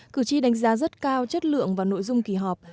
cử tri đánh giá rất cao chất lượng và nội dung kỳ họp